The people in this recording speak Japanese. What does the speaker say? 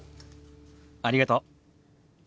ありがとう。